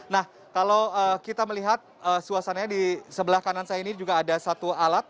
nah kalau kita melihat suasananya di sebelah kanan saya ini juga ada satu alat